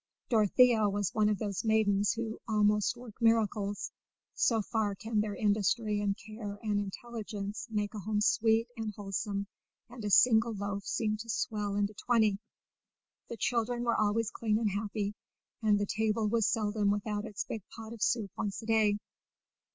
Dorothea was one of those maidens who almost work miracles, so far can their industry and care and intelligence make a home sweet and wholesome and a single loaf seem to swell into twenty. The children were always clean and happy, and the table was seldom without its big pot of soup once a day.